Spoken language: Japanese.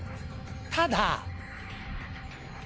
ただ。